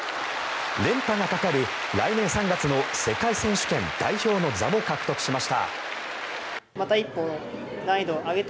連覇がかかる来年３月の世界選手権代表の座も獲得しました。